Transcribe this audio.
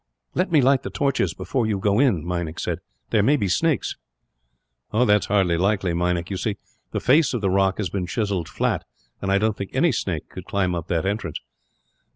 "Let me light the torches before you go in," Meinik said. "There may be snakes." "That is hardly likely, Meinik. You see, the face of the rock has been chiselled flat, and I don't think any snake could climb up to that entrance."